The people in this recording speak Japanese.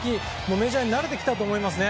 メジャーに慣れてきたと思います。